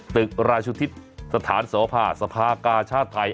ตึกราชุทิศสถานสภากาชาติไทย